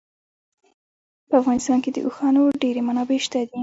په افغانستان کې د اوښانو ډېرې منابع شته دي.